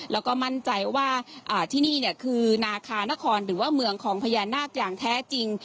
แล้วก็มั่นใจว่าที่นี่คือนาคานครหรือว่าเมืองของพญานาคอย่างแท้จริง